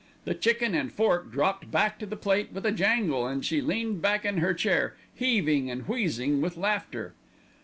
The chicken and fork dropped back to the plate with a jangle, and she leaned back in her chair, heaving and wheezing with laughter.